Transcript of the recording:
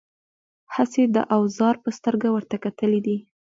هسې د اوزار په سترګه ورته کتلي دي.